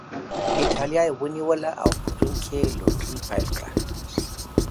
اېټالیا یې ونیوله او په روم کې یې لوټري پیل کړه